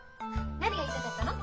何が言いたかったの？